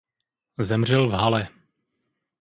Zemřel v Halle.